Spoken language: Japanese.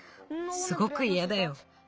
すごくいやだよ。